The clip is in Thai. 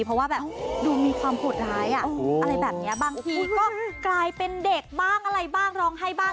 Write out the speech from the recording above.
เพราะว่าแบบดูมีความโหดร้ายอะไรแบบนี้บางทีก็กลายเป็นเด็กบ้างอะไรบ้างร้องไห้บ้าง